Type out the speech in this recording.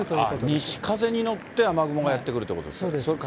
西風に乗って雨雲がやって来るということですか。